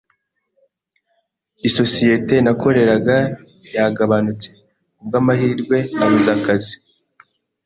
Isosiyete nakoreraga yagabanutse. Kubwamahirwe, nabuze akazi.